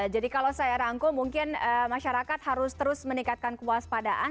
jadi kalau saya rangkum mungkin masyarakat harus terus meningkatkan kewaspadaan